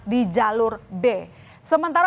di jalur b sementara